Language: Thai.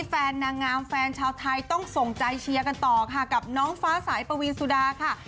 แฟนนางงามแฟนชาวไทยต้องส่งใจเชียร์กันต่อค่ะกับน้องฟ้าสายปวีนสุดาค่ะ